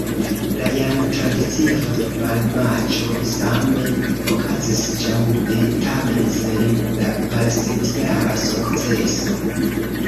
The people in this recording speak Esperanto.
La jam tradicia futbalmaĉo same okazis ĵaŭde, tamen sen la pasintjara sukceso.